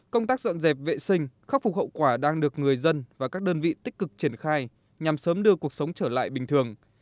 công tác dọn dẹp vệ sinh khắc phục hậu quả đang được người dân và các đơn vị tích cực triển khai nhằm sớm đưa cuộc sống trở lại bình thường